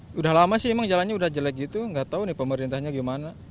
sudah lama sih emang jalannya udah jelek gitu nggak tahu nih pemerintahnya gimana